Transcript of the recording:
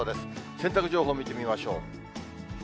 洗濯情報、見てみましょう。